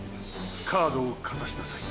カードをかざしなさい。